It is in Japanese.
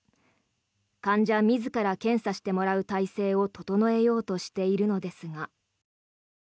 患者自ら検査してもらう体制を整えようとしているのですが。